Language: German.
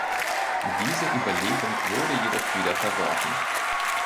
Diese Überlegung wurde jedoch wieder verworfen.